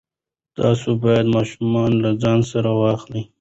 تاسو باید ماشومان له ځان سره واخلئ.